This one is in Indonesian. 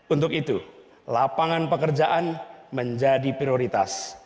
untuk itu lapangan pekerjaan menjadi prioritas